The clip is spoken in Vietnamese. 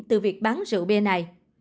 từ việc bán rượu bia này